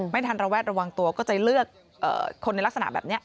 ไม่ทันระแวดระวังตัวก็จะเลือกคนในลักษณะแบบนี้